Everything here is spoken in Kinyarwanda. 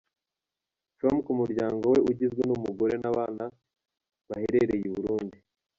com ko umuryango we ugizwe n’umugore n’abana baherereye i Burundi.